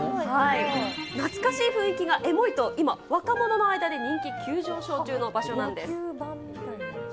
懐かしい雰囲気がエモいと、今、若者の間で人気急上昇中の場所なんです。